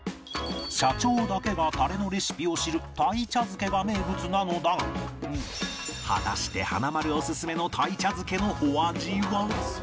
社長だけがタレのレシピを知る鯛茶漬けが名物なのだが果たして華丸オススメの鯛茶漬けのお味は？